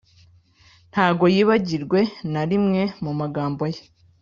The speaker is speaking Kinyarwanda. ntago yibagirwe na rimwe mu magambo ye: